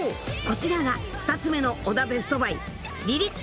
こちらが２つ目の尾田ベストバイ］